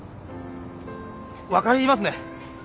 分かりますね。